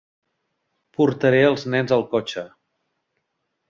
Portaré els nens al cotxe.